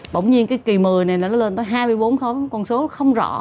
bỗng nhiên cái kỳ một mươi này nó lên tới hai mươi bốn khó con số không rõ